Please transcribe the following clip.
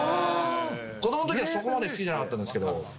子どものときはそこまで好きじゃなかったんですけど。